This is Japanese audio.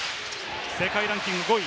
世界ランキング５位。